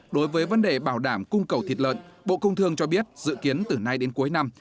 đối với vấn đề bảo đảm cung cầu thịt lợn bộ công thương cho biết dự kiến từ nay đến cuối năm